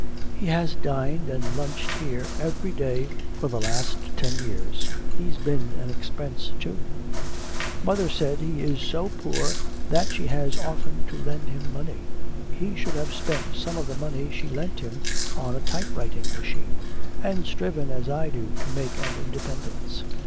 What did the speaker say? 'He has dined and lunched here every day for the last ten years. He's been an expense too.' 'Mother said he is so poor that she has often to lend him money.' 'He should have spent some of the money she lent him, on a type writing machine, and striven as I do to make an independence.